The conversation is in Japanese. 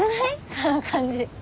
あの感じ。